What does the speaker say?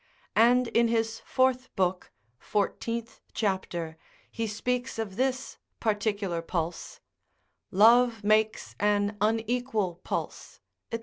And in his fourth book, fourteenth chapter, he speaks of this particular pulse, Love makes an unequal pulse, &c.